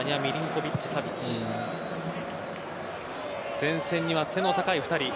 前線には背の高い２人。